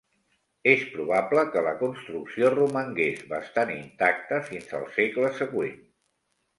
És probable que la construcció romangués bastant intacta fins al segle següent.